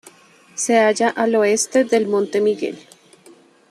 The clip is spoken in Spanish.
Se halla al oeste del monte Miguel.